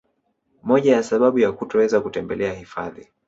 Moja ya sababu ya kutoweza kutembelea hifadhi